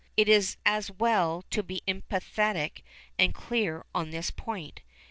It is as well to be emphatic and clear on this point.